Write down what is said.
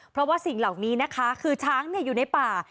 เพราะว่าสิ่งเหล่านี้นะคะคือช้างอยู่ในป่า